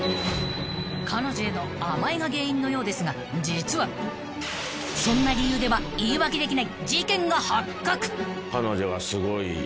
［彼女への甘えが原因のようですが実はそんな理由では言い訳できない事件が発覚］